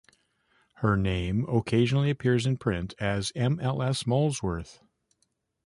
Her name occasionally appears in print as M. L. S. Molesworth.